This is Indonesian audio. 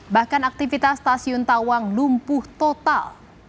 bahkan aktivitas stasiun tawang lumpuh total